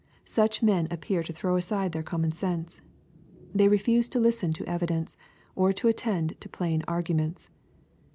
Such men appear to throw aside their common sense. They refuse to listen to evidence, or to attend to plain arguments.